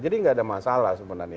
jadi tidak ada masalah sebenarnya